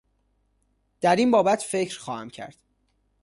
در این بابت فکر خواهم کرد